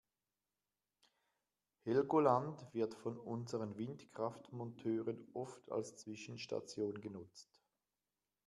Helgoland wird von unseren Windkraftmonteuren oft als Zwischenstation genutzt.